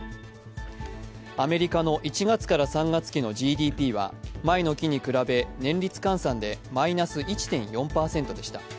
アメリカの１月から３月期のＧＤＰは前の期に比べ年率換算でマイナス１．４％でした。